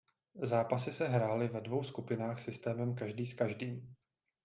Zápasy se hrály ve dvou skupinách systémem každý s každým.